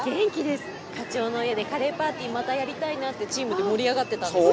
課長の家でカレーパーティーまたやりたいなってチームで盛り上がってたんですよ。